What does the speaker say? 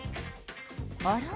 あら？